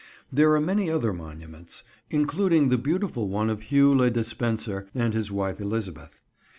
There are many other monuments: including the beautiful one of Hugh le Despencer and his wife Elizabeth.